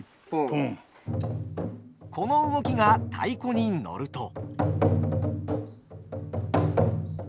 この動きが太鼓に乗ると。